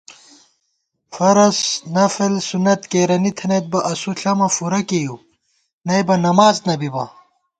فَرض، سُنت، نَفِل کېرَنی تھنَئیت بہ اسُو ݪَمہ فُورہ کېیؤ، نئیبہ نماڅ نہ بِبہ